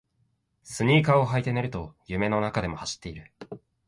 スニーカーを履いて寝ると夢の中でも走っている